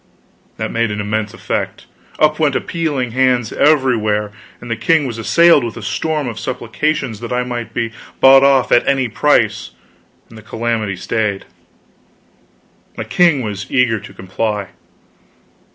That made an immense effect; up went appealing hands everywhere, and the king was assailed with a storm of supplications that I might be bought off at any price, and the calamity stayed. The king was eager to comply.